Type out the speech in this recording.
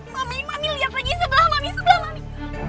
mami mami lihat lagi sebelah mami sebelah mami